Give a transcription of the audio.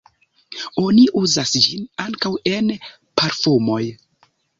Oni uzas ĝin ankaŭ en parfumoj.